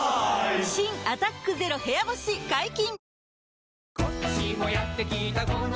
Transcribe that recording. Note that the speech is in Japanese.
新「アタックＺＥＲＯ部屋干し」解禁‼